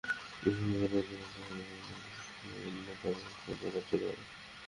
বিশেষজ্ঞদের নাম চূড়ান্ত হলে ভবনগুলোর ক্ষতির পরিমাণ নির্ধারণে মাঠপর্যায়ে কাজ শুরু হবে।